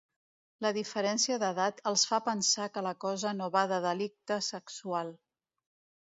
La diferència d'edat els fa pensar que la cosa no va de delicte sexual.